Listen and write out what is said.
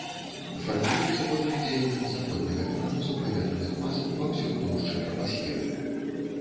Фарміруецца пад уздзеяннем заходняга пераносу паветраных мас ва ўсёй тоўшчы трапасферы.